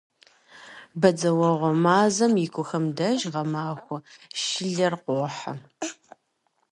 Бадзэуэгъуэ мазэм икухэм деж гъэмахуэ шылэр къохьэ.